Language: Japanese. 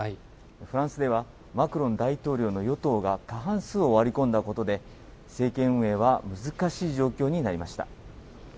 フランスでは、マクロン大統領の与党が過半数を割り込んだことで、政権運営は難しい状況になりました。